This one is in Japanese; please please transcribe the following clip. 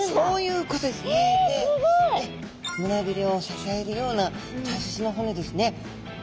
胸びれを支えるような大切な骨ですね。